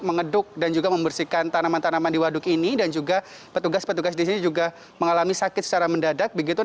mengeduk dan juga membersihkan tanaman tanaman di waduk ini dan juga petugas petugas di sini juga mengalami sakit secara mendadak begitu